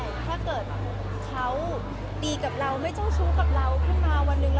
ว่าในเมื่อถ้าเกิดมันไม่ได้เป็นอย่างที่เราหวังหรือ